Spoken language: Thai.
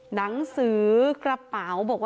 หนังสือกระเป๋า